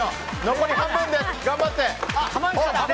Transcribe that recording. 残り半分です、頑張って！